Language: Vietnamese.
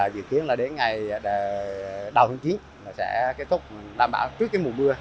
chính là đến ngày đầu thương ký sẽ kết thúc đảm bảo trước mùa mưa